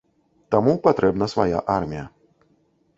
Таму патрэбна свая армія.